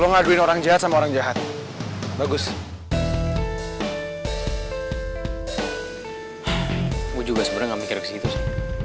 gue juga sebenernya gak mikirin segitu so